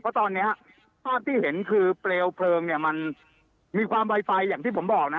เพราะตอนนี้ภาพที่เห็นคือเปลวเพลิงเนี่ยมันมีความไวไฟอย่างที่ผมบอกนะ